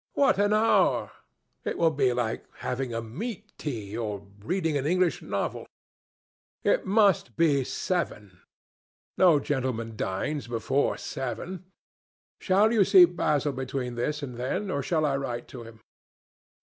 What an hour! It will be like having a meat tea, or reading an English novel. It must be seven. No gentleman dines before seven. Shall you see Basil between this and then? Or shall I write to him?"